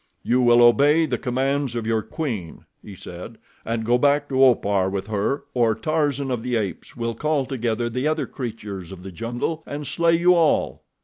"You will obey the commands of your queen," he said, "and go back to Opar with her or Tarzan of the Apes will call together the other creatures of the jungle and slay you all.